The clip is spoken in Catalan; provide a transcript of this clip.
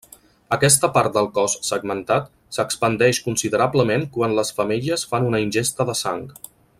Aquesta part del cos segmentat s'expandeix considerablement quan les femelles fan una ingesta de sang.